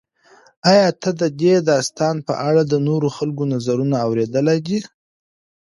ایا ته د دې داستان په اړه د نورو خلکو نظرونه اورېدلي دي؟